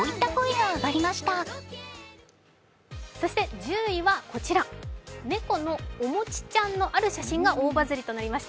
１０位はこちら、猫のおもちちゃんが大バズりとなりました。